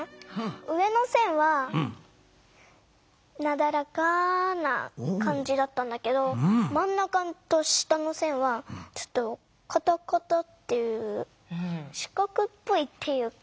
上の線はなだらかな感じだったんだけどまんなかと下の線はちょっとカタカタっていう四角っぽいっていうか。